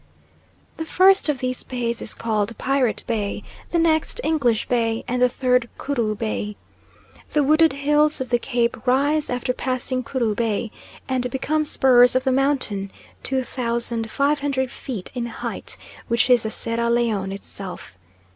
The first of these bays is called Pirate Bay, the next English Bay, and the third Kru Bay. The wooded hills of the Cape rise after passing Kru Bay, and become spurs of the mountain, 2,500 feet in height, which is the Sierra Leone itself.